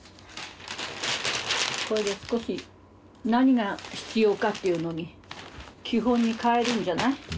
これで少し何が必要かっていうのに基本に返るんじゃない？